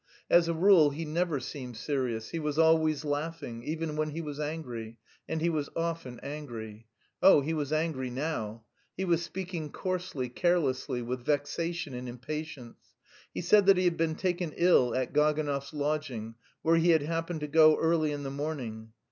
As a rule he never seemed serious; he was always laughing, even when he was angry, and he was often angry. Oh, he was angry now! He was speaking coarsely, carelessly, with vexation and impatience. He said that he had been taken ill at Gaganov's lodging, where he had happened to go early in the morning.